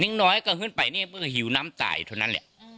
น้อยก็ขึ้นไปนี่เพิ่งหิวน้ำตายเท่านั้นแหละ